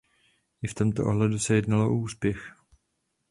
I v tomto ohledu se jednalo o úspěch.